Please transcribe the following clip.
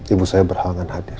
ibu saya berhalangan hadir